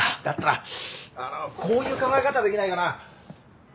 だったらあのこういう考え方できないかな？